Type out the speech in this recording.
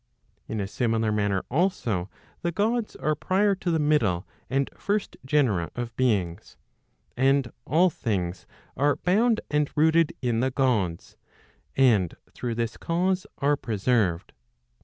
In a similar manner also, the Gods are prior to the middle and first genera of beings. And all things are bound and rooted in the Gods, and through this cause are preserved.